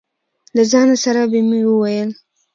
له ځان سره به مې وویل.